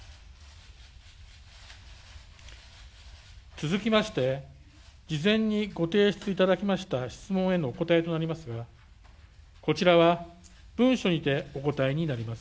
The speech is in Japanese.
続きまして、事前にご提出いただきました質問へのお答えとなりますが、こちらは文書にてお答えになります。